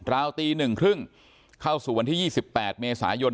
ราวตีหนึ่งครึ่งเข้าสู่วันที่ยี่สิบแปดเมษายน